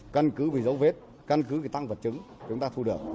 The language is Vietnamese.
căn cứ với dấu vết căn cứ với tăng vật chứng chúng ta thu được